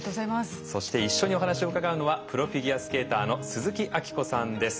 そして一緒にお話を伺うのはプロフィギュアスケーターの鈴木明子さんです。